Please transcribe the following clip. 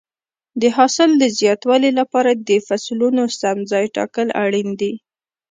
د حاصل د زیاتوالي لپاره د فصلونو سم ځای ټاکل اړین دي.